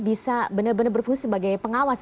bisa benar benar berfungsi sebagai pengawas